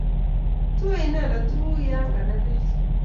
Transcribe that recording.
Tue inendet tuguk ya kinerech